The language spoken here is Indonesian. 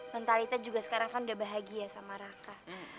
mentalita juga sekarang kan udah bahagia sama raka